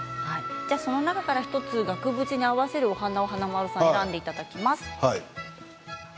その中から１つ額縁に合わせるお花を選んでいただきます。